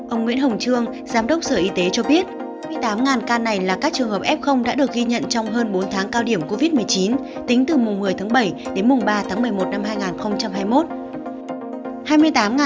ông nguyễn hồng trương giám đốc sở y tế cho biết ca này là các trường hợp f đã được ghi nhận trong hơn bốn tháng cao điểm covid một mươi chín tính từ mùng một mươi tháng bảy đến mùng ba tháng một mươi một năm hai nghìn hai mươi một